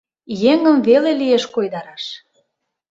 Еҥым веле лиеш койдараш.